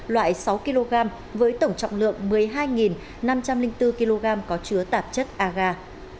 loại sáu kg với tổng trọng lượng một mươi hai năm trăm linh bốn kg có chứa tạp chất aga